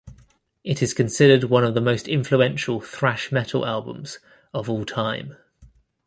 It is considered one of the most influential thrash metal albums of all time.